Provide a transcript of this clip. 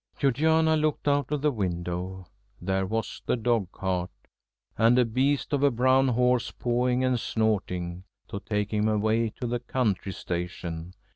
Georgiana looked out of the window. There was the dogcart, and a beast of a brown horse pawing and snorting, to take him away to the country station.